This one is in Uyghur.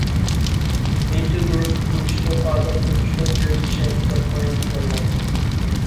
نىيىتى دۇرۇس بولۇشنى ئادەم بولۇشنىڭ بىرىنچى شەرتى دەپ قارايدىكەنمەن.